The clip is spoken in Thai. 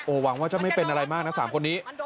หวังว่าจะไม่เป็นอะไรมากนะ๓คนนี้